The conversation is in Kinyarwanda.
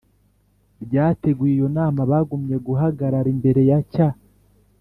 ryateguye iyo nama bagumye guhagarara imbere ya cya